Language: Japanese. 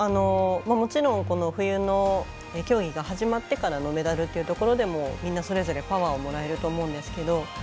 もちろん、冬の競技が始まってからのメダルっていうところでもみんなそれぞれパワーをもらえると思うんですけど。